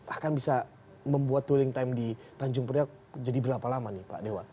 bahkan bisa membuat dwelling time di tanjung priok jadi berapa lama nih pak dewa